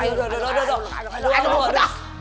aduh aduh aduh